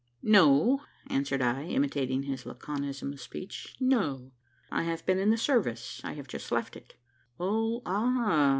"No," answered I, imitating his laconism of speech. "No!" "I have been in the service. I have just left it." "Oh ah!